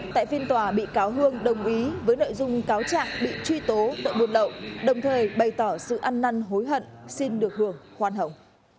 tại phiên tòa bị cáo hương đồng ý với nội dung cáo trạng bị truy tố tội buôn lậu đồng thời bày tỏ sự ăn năn hối hận xin được hưởng khoan hồng